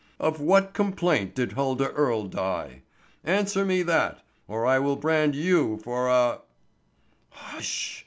Of what complaint did Huldah Earle die? Answer me that! Or I will brand you for a——" "Hush!"